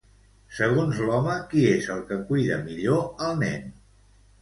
Segons l'home, qui és el que cuida millor al nen?